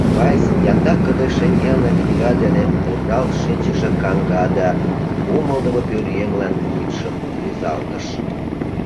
Вайс янда кыдеж шеҥгелне книга дене уралт шинчыше каҥга да кумылдымо пӧръеҥлан кидшым рӱзалтыш.